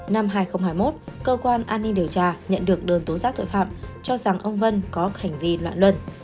năm hai nghìn hai mươi một cơ quan an ninh điều tra nhận được đơn tố giác tội phạm cho rằng ông vân có hành vi loạn luân